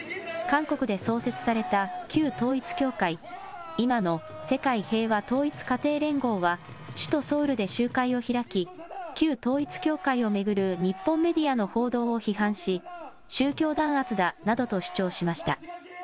韓国で創設された旧統一教会、今の世界平和統一家庭連合は、首都ソウルで集会を開き、旧統一教会を巡る日本メディアの報道を批判し、宗教弾圧だなどと主張しました。